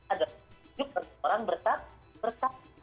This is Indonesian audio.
ada petunjuk bagi orang bersafah